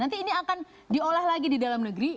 nanti ini akan diolah lagi di dalam negeri